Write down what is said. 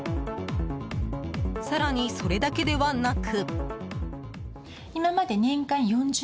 更に、それだけではなく。